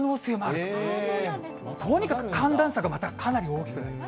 とにかく寒暖差がまたかなり大きくなります。